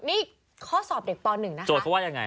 นี่ข้อสอบเด็กป๑นะครับ